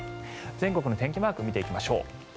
全国の天気マークを見ていきましょう。